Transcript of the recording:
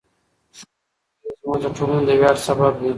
ښوونکي زموږ د ټولنې د ویاړ سبب دي.